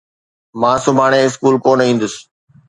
مان سڀاڻي اسڪول ڪونہ ايندس.